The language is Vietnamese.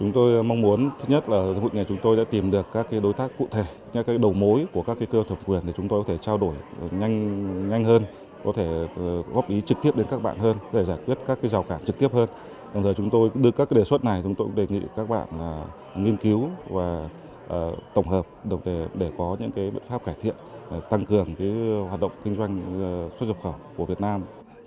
tăng cường hoạt động kinh doanh xuất nhập khẩu của việt nam